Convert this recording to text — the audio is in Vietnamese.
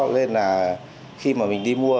nên là khi mà mình đi mua